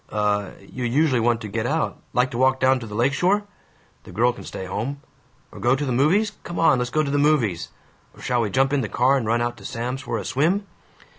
"Uh You usually want to get out. Like to walk down to the lake shore? (The girl can stay home.) Or go to the movies? Come on, let's go to the movies! Or shall we jump in the car and run out to Sam's, for a swim?"